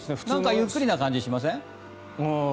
なんか、ゆっくりな感じがしません？